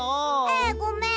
えごめん。